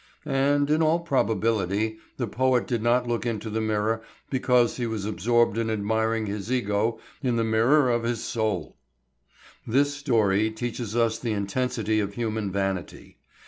(And, in all probability, the poet did not look into the mirror because he was absorbed in admiring his ego in the mirror of his soul!) This story teaches us the intensity of human vanity.